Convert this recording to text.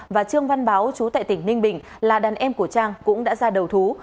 và trương văn báo chú tại tỉnh ninh bình là đàn em của trang cũng đã ra đầu thú